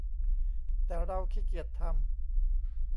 แต่เราขี้เกียจทำ